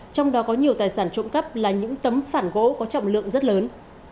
trong đó có nhiều tài sản trộm cắp là những tấm phản gỗ có trọng lượng rất lớn